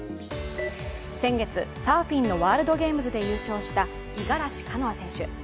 先月、サーフィンのワールドゲームズで優勝した五十嵐カノア選手。